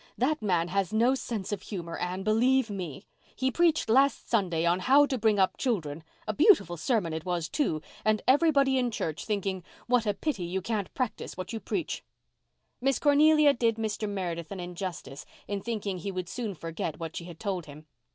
That man has no sense of humour, Anne, believe me. He preached last Sunday on 'How to Bring up Children.' A beautiful sermon it was, too—and everybody in church thinking 'what a pity you can't practise what you preach.'" Miss Cornelia did Mr. Meredith an injustice in thinking he would soon forget what she had told him.